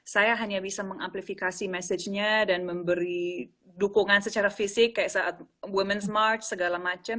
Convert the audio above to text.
saya hanya bisa mengamplifikasi message nya dan memberi dukungan secara fisik kayak saat ⁇ womens ⁇ march segala macam